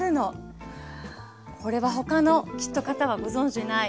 これは他の方はご存じない。